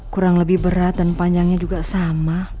kurang lebih berat dan panjangnya juga sama